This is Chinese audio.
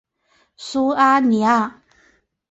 苏阿尼阿。